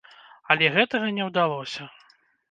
Але гэтага не ўдалося.